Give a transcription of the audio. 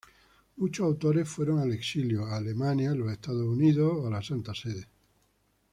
Muchos autores fueron al exilio —a Alemania, los Estados Unidos o la Santa Sede.